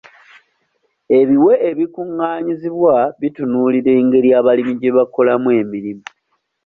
Ebiwe ebikungaanyizibwa bitunuulira engeri abalimi gye bakolamu emirimu.